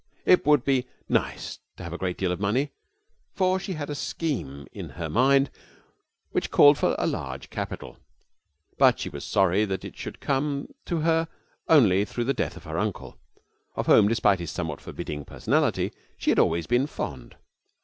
It would be nice to have a great deal of money, for she had a scheme in her mind which called for a large capital; but she was sorry that it could come to her only through the death of her uncle, of whom, despite his somewhat forbidding personality, she had always been fond.